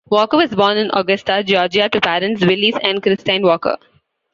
Walker was born in Augusta, Georgia to parents Willis and Christine Walker.